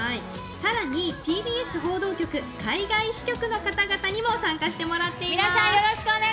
更にＴＢＳ報道局、海外支局の方々にも参加してもらっています。